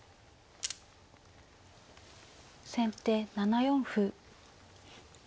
先手７四歩。